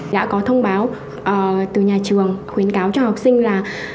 đã có thông báo từ nhà trường khuyến cáo cho học sinh là